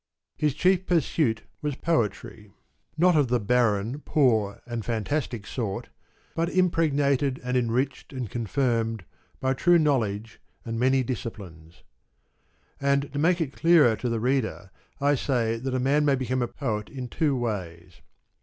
His chief pursuit was poetry, 130 not of the barren, poor and fantastic sort, but Impreg nated and enriched and confirmed by true knowledge and many disciplines. And, to make it clearer to the reader I say that a man may become a poet in two ways.